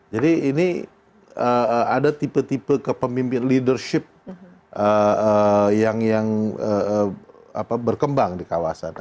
jadi ini ada tipe tipe kepemimpin leadership yang berkembang di kawasan